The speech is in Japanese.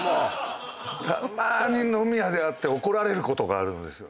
たまに飲み屋で会って怒られることがあるんですよ。